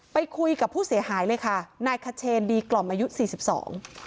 ไปคุยกับผู้เสียหายเลยค่ะนายขเชนดีกล่อมอายุสี่สิบสอง